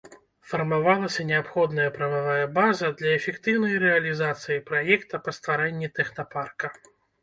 Фармавалася неабходная прававая база для эфектыўнай рэалізацыі праекта па стварэнні тэхнапарка.